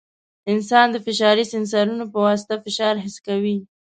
انسان د فشاري سینسرونو په واسطه فشار حس کوي.